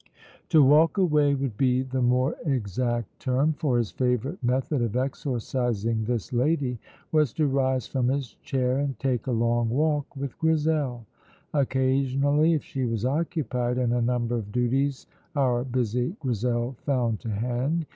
To walk away would be the more exact term, for his favourite method of exorcising this lady was to rise from his chair and take a long walk with Grizel. Occasionally if she was occupied (and a number of duties our busy Grizel found to hand!)